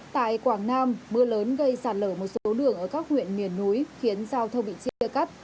tại quảng nam mưa lớn gây sạt lở một số đường ở các huyện miền núi khiến giao thông bị chia cắt